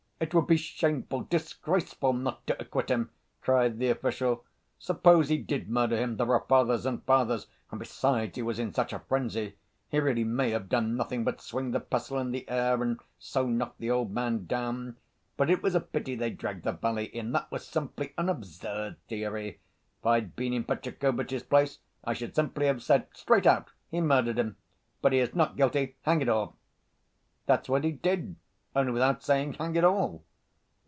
"It would be shameful, disgraceful, not to acquit him!" cried the official. "Suppose he did murder him—there are fathers and fathers! And, besides, he was in such a frenzy.... He really may have done nothing but swing the pestle in the air, and so knocked the old man down. But it was a pity they dragged the valet in. That was simply an absurd theory! If I'd been in Fetyukovitch's place, I should simply have said straight out: 'He murdered him; but he is not guilty, hang it all!' " "That's what he did, only without saying, 'Hang it all!